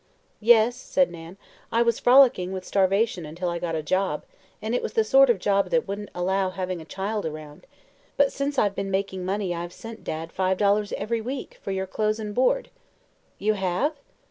"Yes," said Nan, "I was frolicking with starvation until I got a job, and it was the sort of job that wouldn't allow having a child around. But since I've been making money I've sent Dad five dollars every week, for your clothes and board." "You have?"